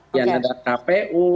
bawaslu ya kpu